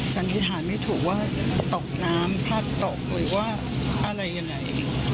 สันนิษฐานไม่ถูกว่าตกน้ำพลัดตกหรือว่าอะไรยังไง